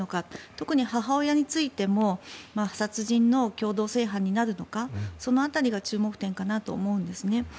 特に母親についても殺人の共同正犯になるのかその辺りが注目点かなと思うんですね。